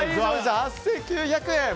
８９００円。